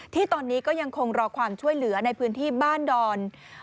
ที่ตอนนี้ก็ยังคงรอความช่วยเหลือในพื้นที่บ้านดอน